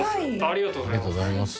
ありがとうございます。